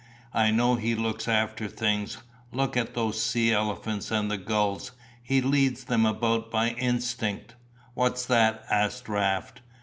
I know He looks after things. Look at those sea elephants and the gulls; He leads them about by instinct." "What's that?" asked Raft.